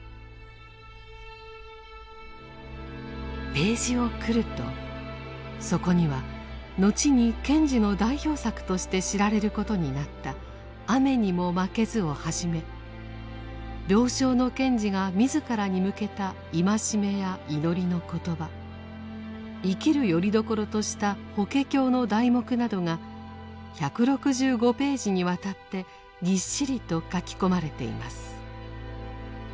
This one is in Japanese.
ページを繰るとそこには後に賢治の代表作として知られることになった「雨ニモマケズ」をはじめ病床の賢治が自らに向けた戒めや祈りの言葉生きるよりどころとした「法華経」の題目などが１６５ページにわたってぎっしりと書き込まれています。